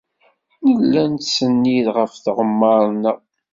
Nella nettsennid ɣef tɣemmar-nneɣ.